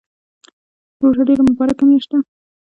روژه ډیره مبارکه میاشت ده